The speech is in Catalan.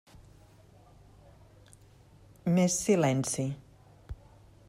Més silenci.